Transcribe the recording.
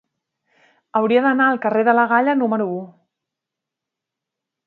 Hauria d'anar al carrer de la Galla número u.